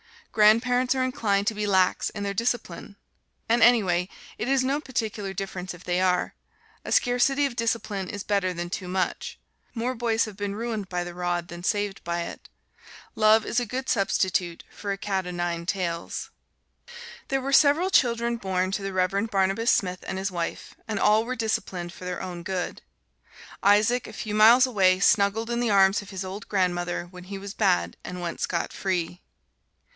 Grandparents are inclined to be lax in their discipline. And anyway it is no particular difference if they are: a scarcity of discipline is better than too much. More boys have been ruined by the rod than saved by it love is a good substitute for a cat 'o nine tails. There were several children born to the Reverend Barnabas Smith and his wife, and all were disciplined for their own good. Isaac, a few miles away, snuggled in the arms of his old grandmother when he was bad and went scot free.